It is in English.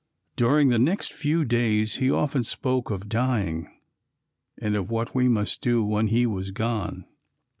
During the next few days he often spoke of dying and of what we must do when he was gone.